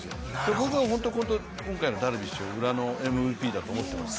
僕は本当に今回のダルビッシュを裏のＭＶＰだと思ってます。